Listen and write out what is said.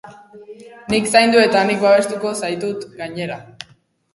Nik zaindu eta nik babestuko zaitut, gainera.